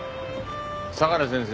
相良先生。